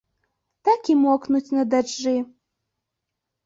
Так і мокнуць на дажджы.